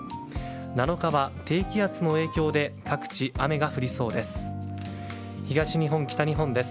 ７日は低気圧の影響で各地、雨が降りそうです。